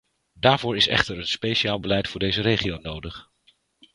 Daarvoor is echter een speciaal beleid voor deze regio nodig.